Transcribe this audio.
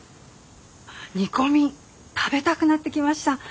煮込み食べたくなってきました。